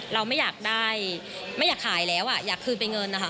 เราไม่อยากได้ไม่อยากขายแล้วอยากคืนเป็นเงินนะคะ